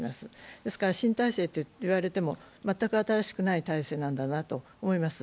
ですから、新体制と言われても全く新しくない体制なんだなと思います。